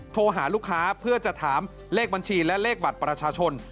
โทรหาลูกค้าเพื่อจะถามเลขบัญชีและเลขบัตรประชาชน